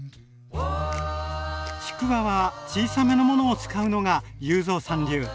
ちくわは小さめのものを使うのが裕三さん流。